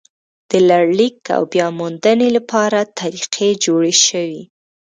د لړلیک او بیا موندنې لپاره طریقې جوړې شوې.